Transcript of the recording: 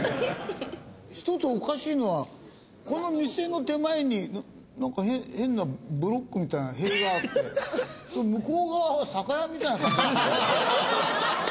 １つおかしいのはこの店の手前になんか変なブロックみたいな塀があってその向こう側は酒屋みたいな感じになってる。